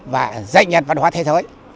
và danh nhân văn hóa thế giới